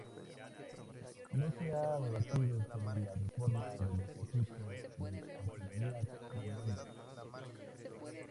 No se ha debatido sobre la reforma del estatuto de autonomía extremeño.